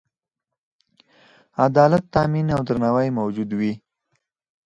عدالت تأمین او درناوی موجود وي.